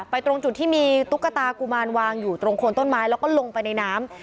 ตรงจุดที่มีตุ๊กตากุมารวางอยู่ตรงโคนต้นไม้แล้วก็ลงไปในน้ำ